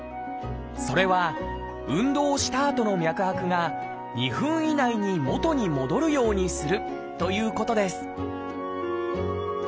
それは運動したあとの脈拍が２分以内に元に戻るようにするということです